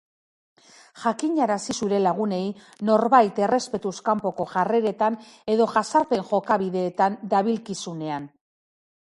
Jakinarazi zure lagunei norbait errespetuz kanpoko jarreretan edo jazarpen jokabideetan dabilkizunean.